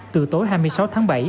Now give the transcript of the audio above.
từ tối hai mươi sáu tháng bảy